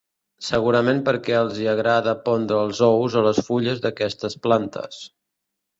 Segurament perquè els hi agrada pondre els ous a les fulles d'aquestes plantes.